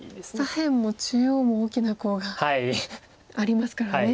左辺も中央も大きなコウがありますからね。